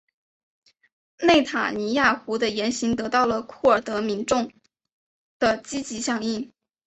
内塔尼亚胡的言行得到了库尔德民众的积极响应。